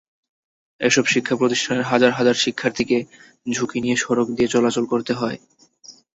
এসব শিক্ষাপ্রতিষ্ঠানের হাজার হাজার শিক্ষার্থীকে ঝুঁকি নিয়ে সড়ক দিয়ে চলাচল করতে হয়।